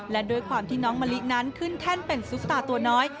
และด้วยความที่น้องมะลินั้นขึ้นแท่นเป็นซุปตาตัวน้อย